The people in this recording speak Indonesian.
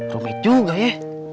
rumit juga ye